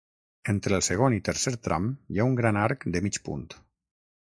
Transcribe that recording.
Entre el segon i tercer tram hi ha un gran arc de mig punt.